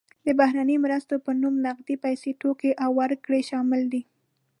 د بهرنۍ مرستې په نوم نغدې پیسې، توکي او وګړي شامل دي.